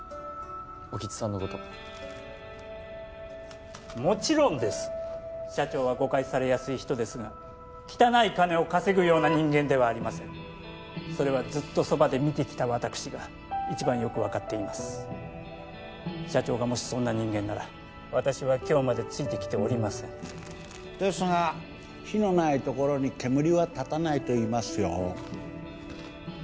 興津さんのこともちろんです社長は誤解されやすい人ですが汚い金を稼ぐような人間ではありませんそれはずっとそばで見てきた私が一番よく分かっています社長がもしそんな人間なら私は今日までついてきておりませんですが「火のないところに煙は立たない」といいますよ